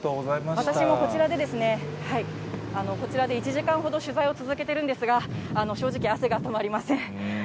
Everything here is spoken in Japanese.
私もこちらで１時間ほど取材を続けてるんですが、正直、汗が止まりません。